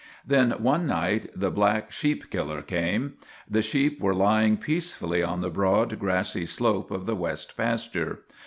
Then one night the black sheep killer came. The sheep were lying peacefully on the broad, grassy slope of the west pasture.